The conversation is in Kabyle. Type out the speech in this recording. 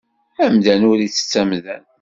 Amdan ur ittett amdan.